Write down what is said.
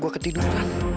gila gua ketiduran